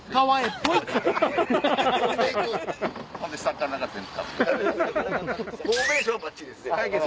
フォーメーションはばっちり。